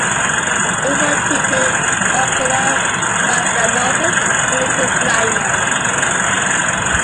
If untreated, ocular sparganosis can lead to blindness.